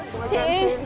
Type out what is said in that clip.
trời gì ra